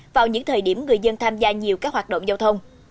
vào những thời điểm người dân tham gia nhiều các hoạt động giao thông